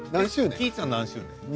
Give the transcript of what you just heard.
きーちゃん何周年？